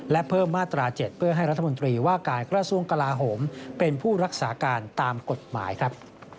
และเพิ่มมาตรา๗เพื่อให้รัฐมนตรีว่าการกระทรวงกลาโหมเป็นผู้รักษาการตามกฎหมายครับ